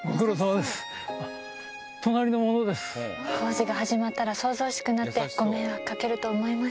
工事が始まったら騒々しくなってご迷惑掛けると思います。